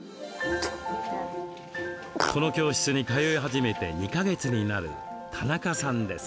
この教室に通い始めて２か月になる田中さんです。